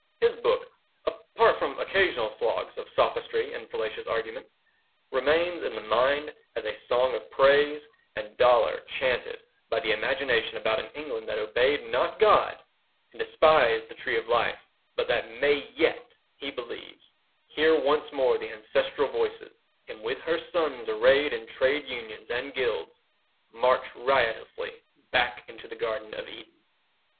His book (apart from occasional sloughs of sophistry and fallacious argument) remains in the mind as a song of praise and dolour chanted by the imagination about an England that obeyed not God and despised the Tree of Life, but that may yet, he believes, hear once more the ancestral voices, and with her sons arrayed in trade unions and guilds, march riotously back into the Garden of Eden.